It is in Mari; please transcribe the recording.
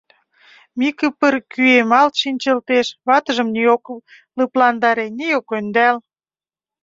Микывыр кӱэмалт шинчылтеш, ватыжым ни ок лыпландаре, ни ок ӧндал.